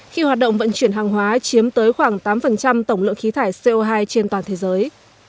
khi hoạt động vận chuyển hàng hóa chiếm tới khoảng tám tổng lượng khí thải co hai trên toàn thế giới